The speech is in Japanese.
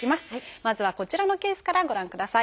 まずはこちらのケースからご覧ください。